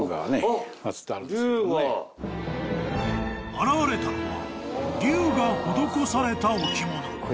［現れたのは龍が施された置物］